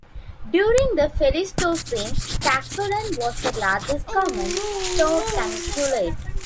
During the Pleistocene, "Toxodon" was the largest common notoungulate.